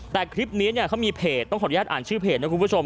แต่คลิปนี้เนี่ยเขามีเพจต้องขออนุญาตอ่านชื่อเพจนะคุณผู้ชม